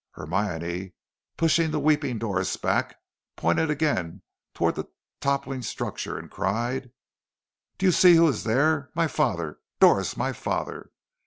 Hermione, pushing the weeping Doris back, pointed again towards the toppling structure, and cried: "Do you see who is there? My father, Doris, my father!